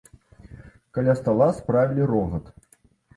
Каля стала справілі рогат.